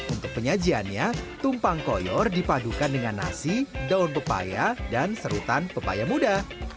untuk penyajiannya tumpang koyor dipadukan dengan nasi daun pepaya dan serutan pepaya muda